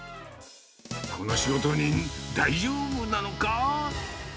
この仕事人、大丈夫なのか。